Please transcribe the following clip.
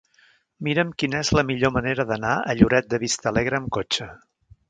Mira'm quina és la millor manera d'anar a Lloret de Vistalegre amb cotxe.